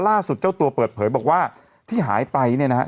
ล่าสุดเจ้าตัวเปิดเผยบอกว่าที่หายไปนี่นะครับ